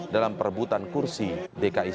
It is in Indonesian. dalam perebutan kursi dki satu